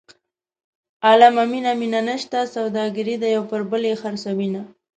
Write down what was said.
عالمه مینه مینه نشته سوداګري ده یو پر بل یې خرڅوینه.